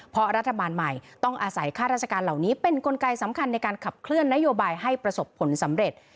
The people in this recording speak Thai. เพราะรัฐบาลใหม่ต้องอาศัยค่าราชการเหล่านี้เป็นกลไกสำคัญในการขับเคลื่อนนโยบายให้ประสบผลสำเร็จ